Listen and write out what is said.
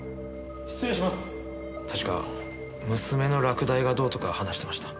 確か娘の落第がどうとか話してました。